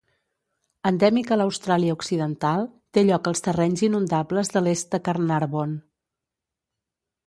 Endèmic a l'Austràlia occidental, té lloc als terrenys inundables de l'est de Carnarvon.